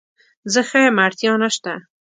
زه ښه یم اړتیا نشته